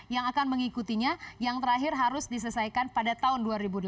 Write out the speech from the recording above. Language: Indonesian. yang akan mengikutinya yang terakhir harus diselesaikan pada tahun dua ribu delapan belas